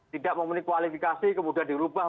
tidak memenuhi kualifikasi kemudian dirubah